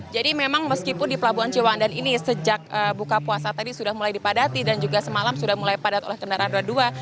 jadi memang meskipun di pelabuhan cewandan ini sejak buka puasa tadi sudah mulai dipadati dan juga semalam sudah mulai padat oleh kendaraan dua dua